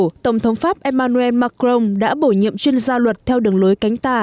trong đợt cải tổ tổng thống pháp emmanuel macron đã bổ nhiệm chuyên gia luật theo đường lối cánh tà